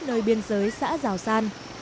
nơi biên giới xã rào san